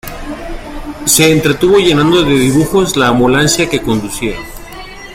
Se entretuvo llenando de dibujos la ambulancia que conducía.